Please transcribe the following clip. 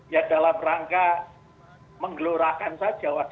ya dalam rangka menggelorakan saja wacana itu